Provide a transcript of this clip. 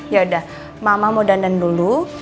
ya udah mama mau dandan dulu